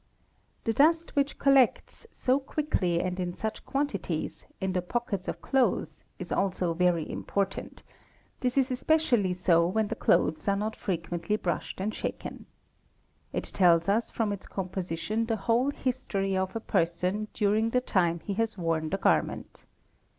DUST 3 213 The dust which collects, so quickly and in such quantities, in the _ pockets of clothes is also very important; this is especially so when the : clothes are not frequently brushed and shaken. It tells us from its _ composition the whole history of a person during the time he has worn i the garment.